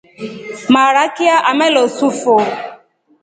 Maaraki ya amalosu fo.